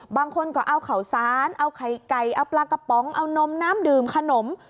บางคนก็เอาข่าวสารเอาไข่ไก่เอาปลากระป๋องเอานมน้ำดื่มขนม